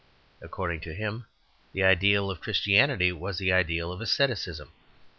According to him, the ideal of Christianity was the ideal of asceticism.